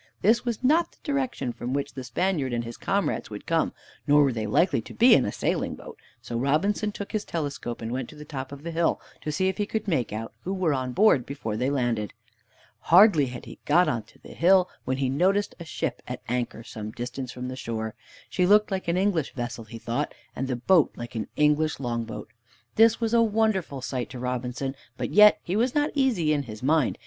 This was not the direction from which the Spaniard and his comrades would come, nor were they likely to be in a sailing boat. So Robinson took his telescope, and went to the top of the hill to see if he could make out who were on board, before they landed. Hardly had he got on to the hill when he noticed a ship at anchor some distance from the shore. She looked like an English vessel, he thought, and the boat like an English long boat. This was a wonderful sight to Robinson, but yet he was not easy in his mind.